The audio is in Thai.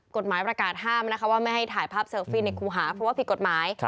กฎหมายประกาศห้ามนะคะว่าไม่ให้ถ่ายภาพเซลฟี่ในครูหาเพราะว่าผิดกฎหมาย